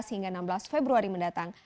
hingga enam belas februari mendatang